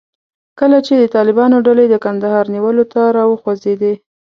کله چې د طالبانو ډلې د کندهار نیولو ته راوخوځېدې.